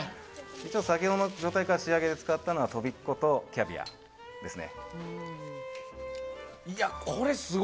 先ほどの状態から仕上げで使ったのはとびっことキャビアですね。